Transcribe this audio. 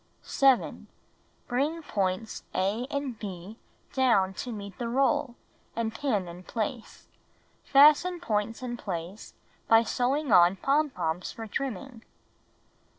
7. Bring points a and h down to meet the roll, and pin in place. Fasten points in place by sewing on pom poms for trimming.